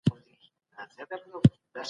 اخلاق د انسان تر ټولو ښه پانګه ده.